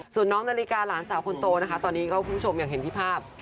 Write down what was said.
ส่วนน้องนาฬิกาหลานสาวคนโตนะคะตอนนี้ก็คุณผู้ชมอย่างเห็นที่ภาพ